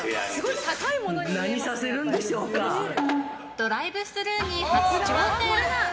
ドライブスルーに初挑戦。